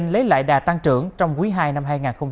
lấy lại đà tăng trưởng trong quý ii năm hai nghìn hai mươi bốn